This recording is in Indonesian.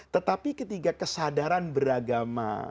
tetapi ketika kesadaran beragama